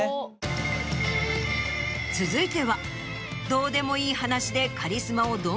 続いては。